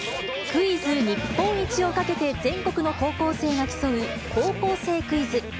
クイズ日本一を懸けて全国の高校生が競う、高校生クイズ。